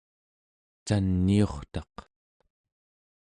caniurtaq